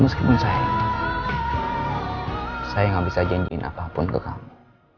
meskipun saya gak bisa janjiin apapun ke kamu